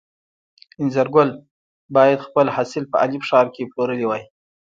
انځرګل باید خپل حاصل په الف ښار کې پلورلی وای.